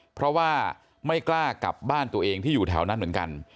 เพราะว่าไม่กล้ากลับบ้านตัวเองที่อยู่แถวนั้นเหมือนกัน